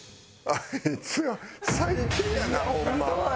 あいつ最低やなホンマ。